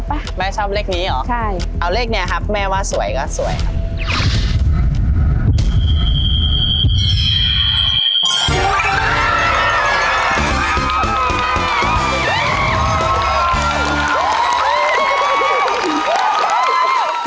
แม่ขอปะ๕๖๓๐นะปะแม่ชอบเลขนี้เหรอใช่เอาเลขเนี่ยครับแม่ว่าสวยก็สวยครับ